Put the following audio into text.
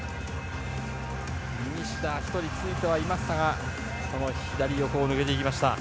西田１人がついてはいましたが左横を抜けていきました。